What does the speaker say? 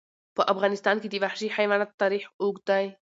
په افغانستان کې د وحشي حیوانات تاریخ اوږد دی.